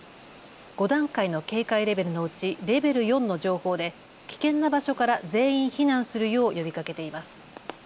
５段階の警戒レベルのうちレベル４の情報で危険な場所から全員避難するよう呼びかけています。